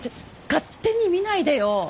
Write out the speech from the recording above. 勝手に見ないでよ！